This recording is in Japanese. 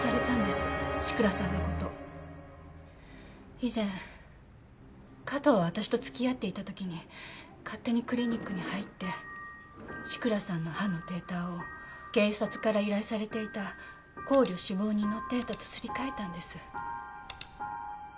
以前加藤は私と付き合っていた時に勝手にクリニックに入って志倉さんの歯のデータを警察から依頼されていた行旅死亡人のデータとすり替えたんです。